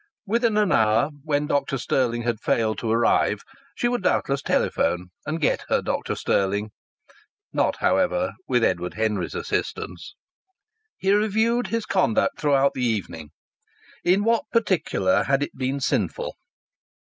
Within an hour, when Dr. Stirling had failed to arrive, she would doubtless telephone and get her Dr. Stirling. Not, however, with Edward Henry's assistance! He reviewed his conduct throughout the evening. In what particular had it been sinful?